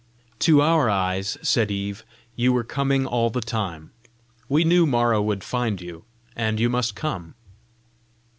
"To our eyes," said Eve, "you were coming all the time: we knew Mara would find you, and you must come!"